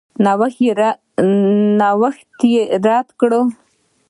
نوښت یې رد کړ.